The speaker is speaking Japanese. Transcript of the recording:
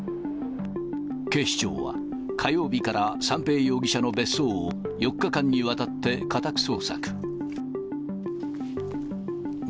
警視庁は、火曜日から三瓶容疑者の別荘を４日間にわたって家宅捜索。